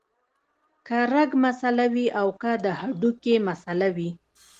کۀ رګ مسئله وي او کۀ د هډوکي مسئله وي